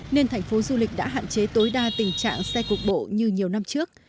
nên thành phố du lịch đã hạn chế tối đa tình trạng xe cục bộ như nhiều năm trước